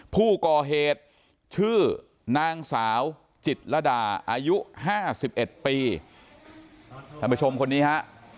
ผู้ก่อเหตุชื่อนางสาวจิตรดาอายุห้าสิบเอ็ดปีท่านผู้ชมคนนี้ฮะ